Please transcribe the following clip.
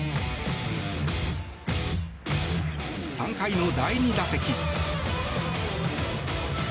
３回の第２打席。